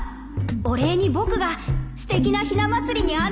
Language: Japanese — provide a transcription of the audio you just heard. お礼に僕がすてきなひな祭りに案内するよ。